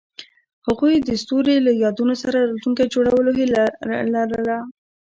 هغوی د ستوري له یادونو سره راتلونکی جوړولو هیله لرله.